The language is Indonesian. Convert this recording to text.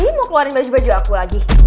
ini mau keluarin baju baju aku lagi